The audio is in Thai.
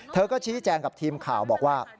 เธอก็ชี้แจงกับทีมข่าวบอกว่า